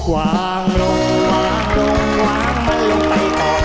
วางลงวางลงวางมันลงไปก่อน